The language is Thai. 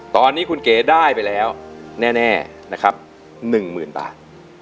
ตอนนี้คุณเก๋ได้ไปแล้วแน่นะครับ๑๐๐๐บาท